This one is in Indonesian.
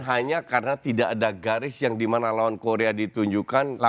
hanya karena tidak ada garis yang dimana lawan korea ditunjukkan